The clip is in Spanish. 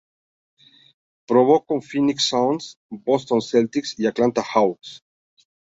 Probó con Phoenix Suns, Boston Celtics y Atlanta Hawks.